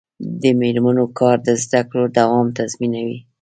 د میرمنو کار د زدکړو دوام تضمینوي.